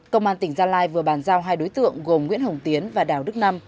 công an tỉnh gia lai vừa bàn giao hai đối tượng gồm nguyễn hồng tiến và đào đức năm